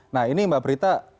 nah ini mbak prita